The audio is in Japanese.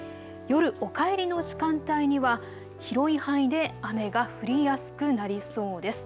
夜、お帰りの時間帯には広い範囲で雨が降りやすくなりそうです。